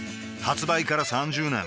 発売から３０年